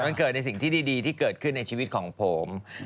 มันเกิดในสิ่งที่ดีที่เกิดขึ้นในชีวิตของผม